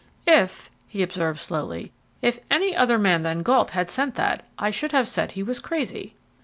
"If," he observed slowly, "if any other man than Gault had sent that I should have said he was crazy."